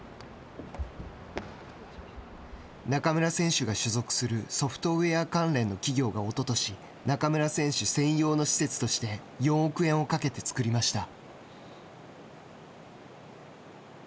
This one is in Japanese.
中村選手が所属するソフトウエア関連の企業がおととし中村選手専用の施設として４億円をかけて作りました。